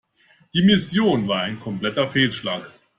Die Mission war ein kompletter Fehlschlag.